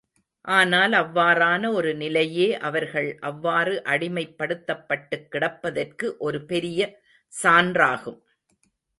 ஆனால் அவ்வாறான ஒரு நிலையே அவர்கள் அவ்வாறு அடிமைப்படுத்தப்பட்டுக் கிடப்பதற்கு ஒரு பெரிய சான்றாகும்.